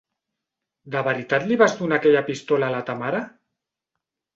De veritat li vas donar aquella pistola a la Tamara?